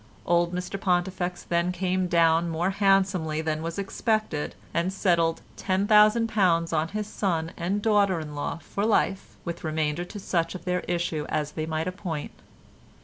Old Mr Pontifex then came down more handsomely than was expected and settled £10,000 on his son and daughter in law for life with remainder to such of their issue as they might appoint.